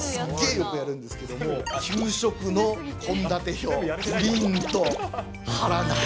よくやるんですけれども、給食の献立表、プリント、貼らない。